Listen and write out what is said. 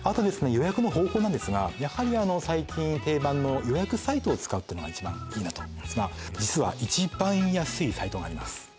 予約の方法なんですがやはり最近定番の予約サイトを使うのが一番いいなと思いますが実は一番安いサイトがあります